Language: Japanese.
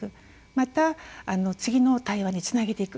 また次の対話につなげていく。